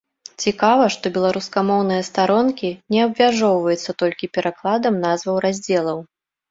Цікава, што беларускамоўныя старонкі не абмяжоўваецца толькі перакладам назваў раздзелаў.